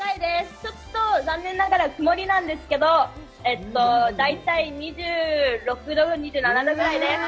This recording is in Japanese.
ちょっと残念ながら曇りなんですけど、大体２６度、２７度ぐらいです。